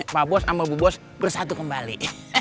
pak bos sama bu bos bersatu kembali